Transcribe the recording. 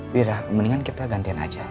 biar lah mendingan kita gantian aja